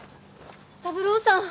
三郎さん。